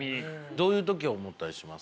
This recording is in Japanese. どういう時思ったりします？